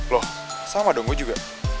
loh sama dong gue juga